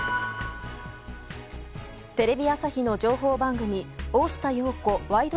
テレビ朝日の情報番組「大下容子ワイド！